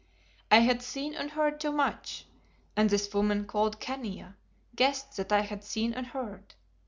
I had seen and heard too much, and this woman called Khania guessed that I had seen and heard.